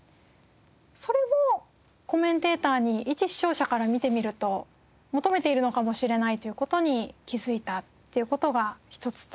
それをコメンテーターにいち視聴者から見てみると求めているのかもしれないという事に気づいたっていう事が一つと。